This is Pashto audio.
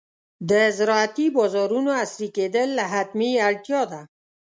د زراعتي بازارونو عصري کېدل حتمي اړتیا ده.